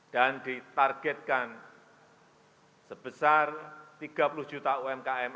dan ditargetkan sebesar tiga puluh juta umkm